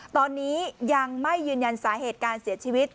ตอนนี้ยังไม่ยืนยันสาเหตุการเสียชีวิต